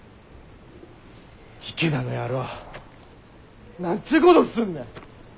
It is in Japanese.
池田の野郎何ちゅうことすんねん。